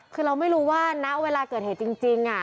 คือเราไม่รู้ว่าณเวลาเกิดเหตุจริง